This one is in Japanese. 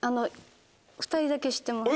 ２人だけ知ってます